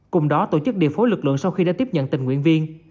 cùng đó tổ chức điều phối lực lượng sau khi đã tiếp nhận tình nguyện viên